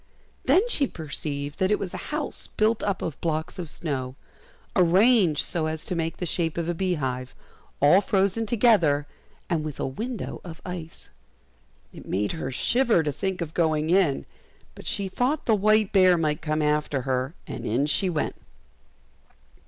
Then she perceived that it was a house built up of blocks of snow, arranged so as to make the shape of a beehive, all frozen together, and with a window of ice. It made her shiver to think of going in, but she thought the white bear might come after her, and in she went.